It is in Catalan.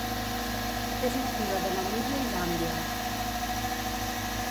És nativa de Namíbia i Zàmbia.